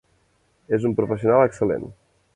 És un professional excel·lent.